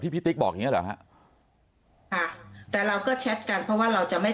พี่ติ๊กบอกอย่างเงี้เหรอฮะค่ะแต่เราก็แชทกันเพราะว่าเราจะไม่